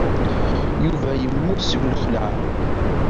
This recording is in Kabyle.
Yuba yemmut seg lxelɛa.